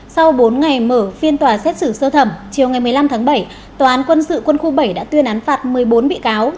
sau bốn ngày mở phiên tòa xét xử sơ thẩm chiều ngày một mươi năm tháng bảy tòa án quân sự quân khu bảy đã tuyên án phạt một mươi bốn bị cáo